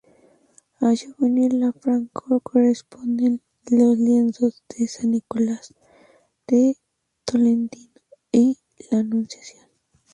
A Giovanni Lanfranco corresponden los lienzos de "San Nicolás de Tolentino" y la "Anunciación".